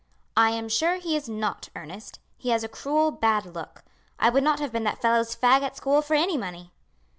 "I am sure he is not, Ernest; he has a cruel bad look. I would not have been that fellow's fag at school for any money.